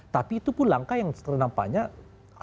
tapi itu pun langkah yang ternampaknya